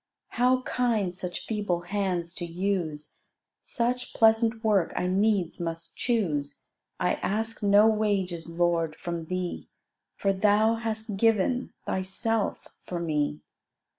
How kind such feeble hands to use; Such pleasant work I needs must choose: I ask no wages, Lord, from thee, For Thou hast given Thyself for me.